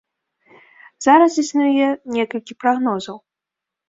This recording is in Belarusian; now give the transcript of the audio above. Зараз існуе некалькі прагнозаў.